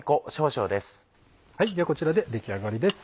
ではこちらで出来上がりです。